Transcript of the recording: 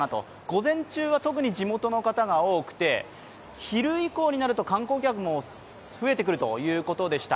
午前中は特に地元の方が多くて、昼以降になると観光客も増えてくるということでした。